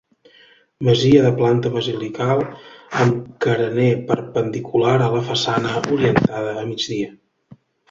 Masia de planta basilical amb carener perpendicular a la façana, orientada a migdia.